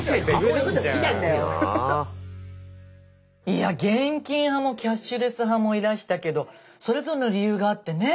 いや現金派もキャッシュレス派もいらしたけどそれぞれの理由があってね。